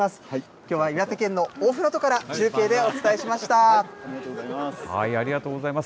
きょうは岩手県の大船渡から中継ありがとうございます。